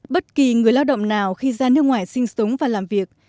bất kỳ người lao động nào khi ra nước ngoài sinh sống và làm việc